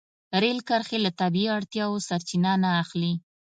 رېل کرښې له طبیعي اړتیاوو سرچینه نه اخلي.